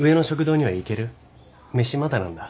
飯まだなんだ。